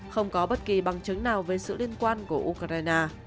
không có bất kỳ bằng chứng nào về sự liên quan của ukraine